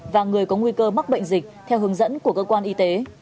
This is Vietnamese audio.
và người có nguy cơ mắc bệnh dịch theo hướng dẫn của cơ quan y tế